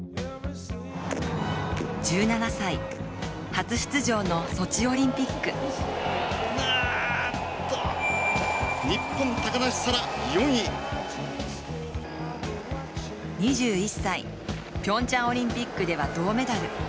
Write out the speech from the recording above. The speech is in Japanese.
１７歳初出場のソチオリンピック２１歳、平昌オリンピックでは銅メダル。